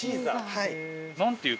はい。